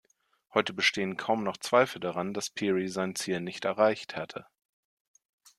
Heute bestehen kaum noch Zweifel daran, dass Peary sein Ziel nicht erreicht hatte.